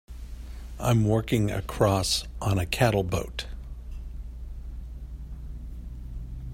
I'm working across on a cattle boat.